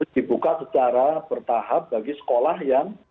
dibuka secara bertahap bagi sekolah yang